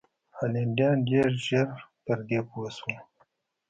هالنډیان ډېر ژر پر دې پوه شول.